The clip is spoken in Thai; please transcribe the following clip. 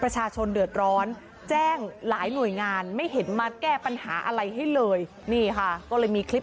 ประชาชนเดือดร้อนแจ้งหลายหน่วยงานไม่เห็นมาแก้ปัญหาอะไรให้เลยนี่ค่ะก็เลยมีคลิป